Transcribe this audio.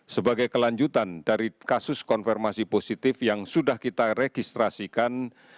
sebagai kelanjutan dari kasus konfirmasi positif yang sudah kita registrasikan